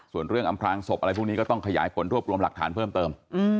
ส่วนเรื่องอำพลางศพอะไรพวกนี้ก็ต้องขยายผลรวบรวมหลักฐานเพิ่มเติม